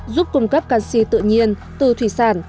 giúp cung cấp canxi tự nhiên từ thủy sản